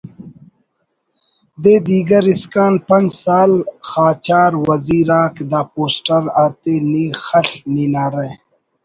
دے دیگر اسکان پنچ سال خاچار وزیر آک دا پوسٹر آتے نی خل/ نی نعرہ